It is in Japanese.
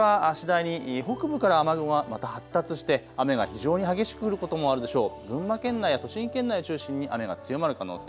その後日中は次第に北部から雨雲が発達して雨が非常に激しく降ることもあるでしょう。